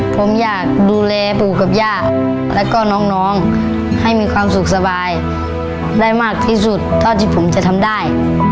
ผมอยากดูแลปู่กับย่าแล้วก็น้องให้มีความสุขสบายได้มากที่สุดเท่าที่ผมจะทำได้